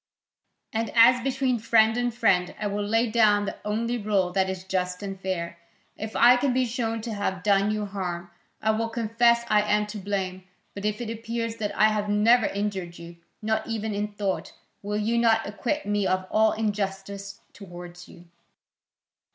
And as between friend and friend, I will lay down the only rule that is just and fair: if I can be shown to have done you harm, I will confess I am to blame, but if it appears that I have never injured you, not even in thought, will you not acquit me of all injustice towards you?"